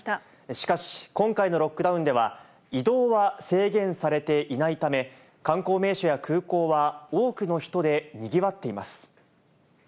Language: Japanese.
しかし、今回のロックダウンでは、移動は制限されていないため、観光名所や空港は多くの人でにぎわっています。